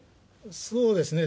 そうですね。